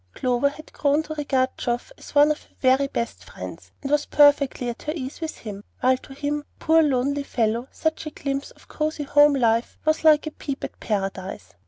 Clover had grown to regard Geoff as one of her very best friends, and was perfectly at her ease with him, while to him, poor lonely fellow, such a glimpse of cosey home life was like a peep at Paradise.